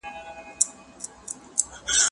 هغه څوک چي پاکوالي ساتي منظم وي؟